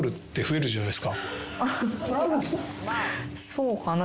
そうかな？